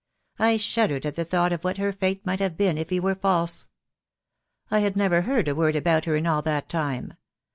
I shuddered at the thought of what her fate might have been if he were false. I had never heard a word about her in all that time.